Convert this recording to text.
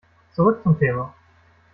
Zurück zum Thema.